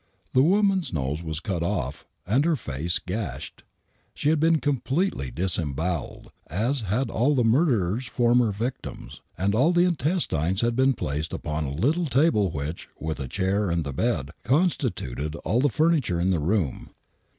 The woman's nose was cut off and her face gashed. She had been completely disembowelled, at had all the mur derer's former victims, and all the intestines had been placed upon a little table which, with a chair and the bed, constituted all the furniture in the room.